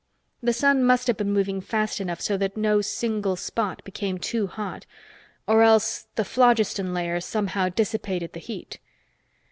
The sun must have been moving fast enough so that no single spot became too hot, or else the phlogiston layer somehow dissipated the heat.